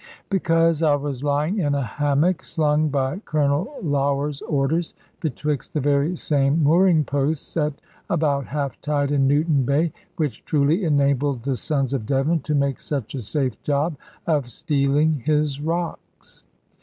Because I was lying in a hammock, slung, by Colonel Lougher's orders, betwixt the very same mooring posts (at about half tide in Newton Bay) which truly enabled the sons of Devon to make such a safe job of stealing his rocks.